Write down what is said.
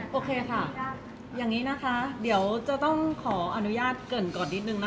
เพราะว่าสิ่งเหล่านี้มันเป็นสิ่งที่ไม่มีพยาน